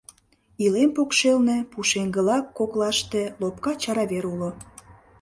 Илем покшелне, пушеҥгыла коклаште, лопка чара вер уло.